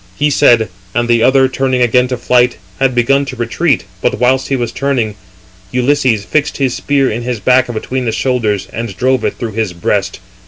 He said, and the other, turning again to flight, had begun to retreat, but whilst he was turning, he (Ulysses) fixed his spear in his back between the shoulders, and drove it through his breast.